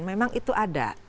memang itu ada